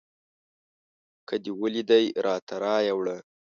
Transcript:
که دې ولیدی راته رایې وړه